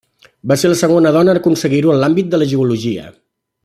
Va ser la segona dona en aconseguir-ho en l'àmbit de la geologia.